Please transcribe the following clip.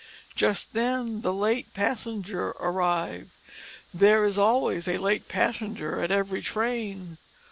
Just then the "late passenger" arrived. There is always a late passenger at every train.